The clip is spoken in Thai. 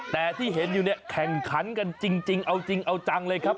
แต่ที่เห็นอยู่เนี่ยแข่งขันกันจริงเอาจริงเอาจังเลยครับ